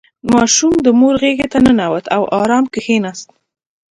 • ماشوم د مور غېږې ته ننوت او آرام کښېناست.